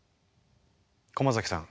駒崎さん